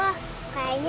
rafa mau pulang aja